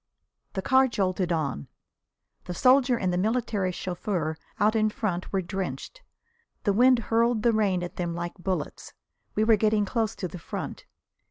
The car jolted on. The soldier and the military chauffeur out in front were drenched. The wind hurled the rain at them like bullets. We were getting close to the front.